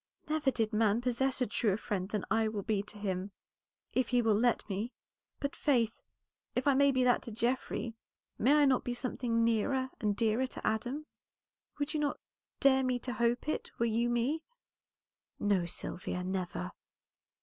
"Never did man possess a truer friend than I will be to him if he will let me. But, Faith, if I may be that to Geoffrey, may I not be something nearer and dearer to Adam? Would not you dare to hope it, were you me?" "No, Sylvia, never."